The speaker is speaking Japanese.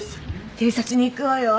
偵察に行くわよ。